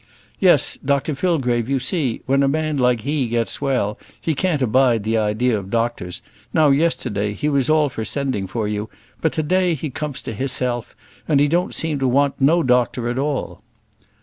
"Yes, Dr Fillgrave; you see, when a man like he gets well, he can't abide the idea of doctors: now, yesterday, he was all for sending for you; but to day he comes to hisself, and don't seem to want no doctor at all."